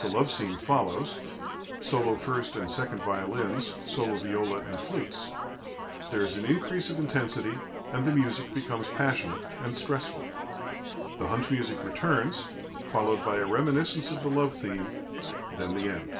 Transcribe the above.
The love scene follows solo first and second violins, solo viola, and flutes; there is an increase of intensity, and the music becomes passionate and stressful. The hunt music returns, followed by a reminiscence of the love theme; then the end.